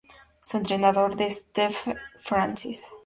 Su entrenador es Stephen Francis.